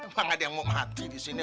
emang ada yang mau ngaji di sini